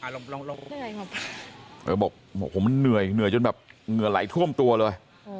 แล้วบอกโอ้มันเหนื่อยจนแบบเงื่อไหลท่วมตัวเลย